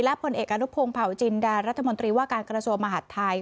ผลเอกอนุพงศ์เผาจินดารัฐมนตรีว่าการกระทรวงมหาดไทย